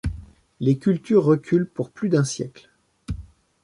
Les cultures reculent pour plus d'un siècle.